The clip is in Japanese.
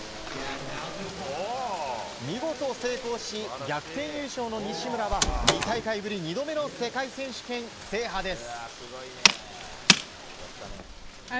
見事、成功し逆転優勝の西村は２大会ぶり２度目の世界選手権制覇です。